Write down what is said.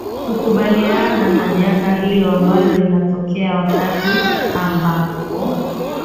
kukabiliana na janga hilo ambalo linatokea wakti ambapo